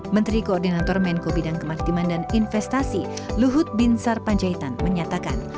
menteri koordinator menko bidang kemaritiman dan investasi luhut binsar panjaitan menyatakan